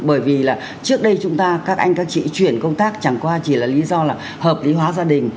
bởi vì là trước đây chúng ta các anh các chị chuyển công tác chẳng qua chỉ là lý do là hợp lý hóa gia đình